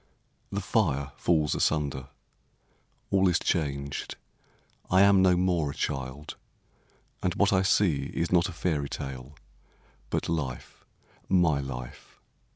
The fire falls asunder, all is changed, I am no more a child, and what I see Is not a fairy tale, but life, my life.